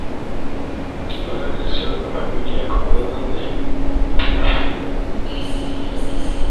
Clara creció en una familia acomodada de Providence.